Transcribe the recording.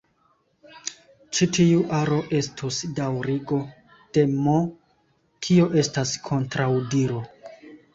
Ĉi tiu aro estus daŭrigo de "M", kio estas kontraŭdiro.